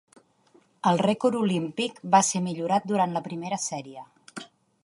El rècord olímpic va ser millorat durant la primera sèrie.